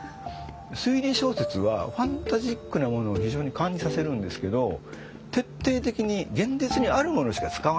推理小説はファンタジックなものを非常に感じさせるんですけど徹底的に現実にあるものしか使わない。